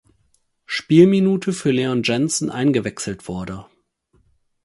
Spielminute für Leon Jensen eingewechselt wurde.